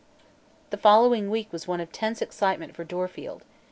The following week was one of tense excitement for Dorfield.